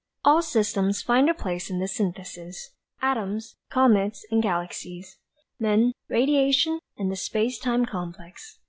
"All systems find a place in this synthesis atoms, comets and galaxies; man, radiation and the space time complex.